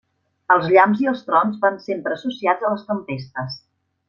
Els llamps i els trons van sempre associats a les tempestes.